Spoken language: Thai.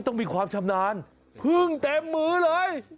ต้องมีความชำนาญพึ่งเต็มมือเลย